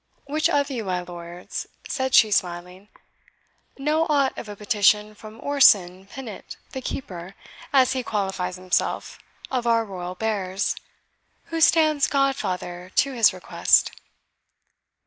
Which of you, my lords," said she, smiling, "know aught of a petition from Orson Pinnit, the keeper, as he qualifies himself, of our royal bears? Who stands godfather to his request?"